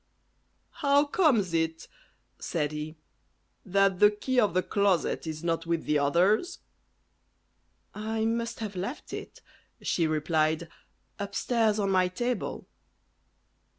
"How comes it," said he, "that the key of the closet is not with the others?" "I must have left it," she replied, "upstairs on my table."